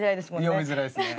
呼びづらいですね。